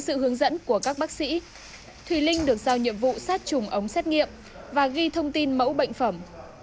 theo hướng dẫn của các bác sĩ thùy linh được giao nhiệm vụ sát trùng ống xét nghiệm và ghi thông tin mẫu bệnh phẩm